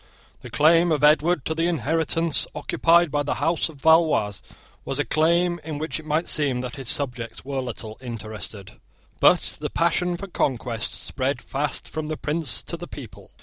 The claim of Edward to the inheritance occupied by the House of Valois was a claim in which it might seem that his subjects were little interested. But the passion for conquest spread fast from the prince to the people.